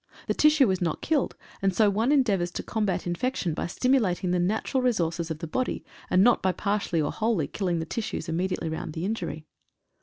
The tissue is not killed, and so one endeavours to combat infection by stimulating the natural resources of the body, and not by partially or wholly killing the tissues immediately round the injury.